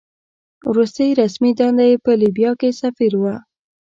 وروستۍ رسمي دنده یې په لیبیا کې سفیر وه.